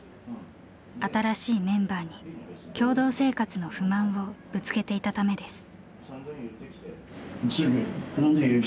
新しいメンバーに共同生活の不満をぶつけていたためです。